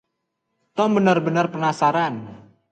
Tom benar-benar penasaran.